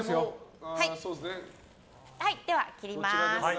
はい、では切ります。